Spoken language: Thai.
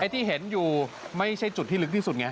ที่เห็นอยู่ไม่ใช่จุดที่ลึกที่สุดไง